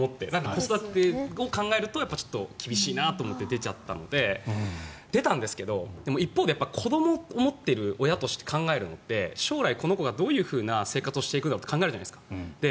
子育てを考えると厳しいなと思って出ちゃったので出たんですけど、一方で子どもを持っている親として考えるのって将来、この子がどういう生活をしていくんだろうって考えるじゃないですか。